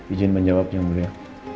ijin menjawabnya muda